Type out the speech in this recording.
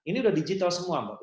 ini udah digital semua